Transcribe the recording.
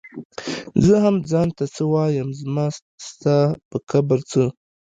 زۀ هم ځان ته څۀ وايم زما ستا پۀ کبر څۀ